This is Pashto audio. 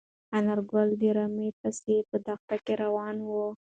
انارګل د رمې پسې په دښته کې روان و.